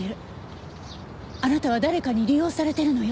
あなたは誰かに利用されてるのよ。